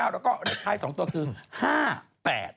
แล้วก็เลขท้าย๒ตัวคือ๕๘